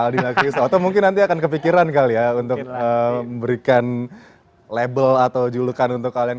aldina kristo atau mungkin nanti akan kepikiran kali ya untuk memberikan label atau julukan untuk kalian